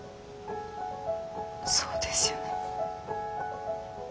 そうですよね。